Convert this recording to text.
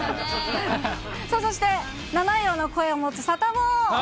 そして、七色の声を持つサタボー。